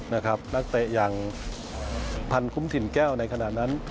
นักเตะอย่างพันคุ้มถิ่นแก้วในขณะนั้น